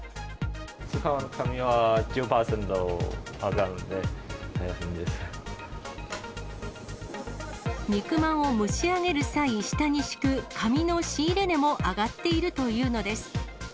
使う紙は１０％上がるんで、肉まんを蒸し上げる際、下に敷く紙の仕入れ値も上がっているというのです。